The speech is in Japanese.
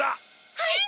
はい！